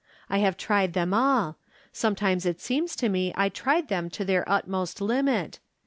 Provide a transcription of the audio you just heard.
I have tried them all ; sometimes it seems to me I tried them to their utmost limit.